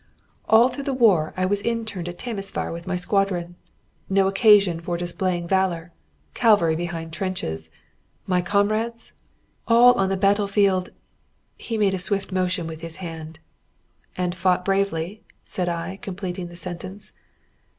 "All through the war I was interned at Temesvar with my squadron. No occasion for displaying valour. Cavalry behind trenches. My comrades all on the battle field" he made a swift motion with his hand. "And fought bravely?" said I, completing the sentence.